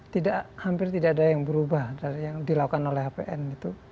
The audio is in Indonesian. tidak hampir tidak ada yang berubah dari yang dilakukan oleh hpn itu